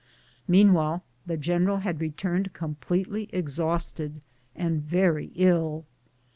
Meanwhile the general had returned completely ex hausted and very ill.